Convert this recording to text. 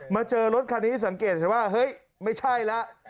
เจอรถคันนี้สังเกตเห็นว่าเฮ้ยไม่ใช่แล้ว